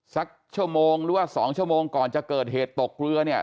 สักชั่วโมงหรือว่า๒ชั่วโมงก่อนจะเกิดเหตุตกเรือเนี่ย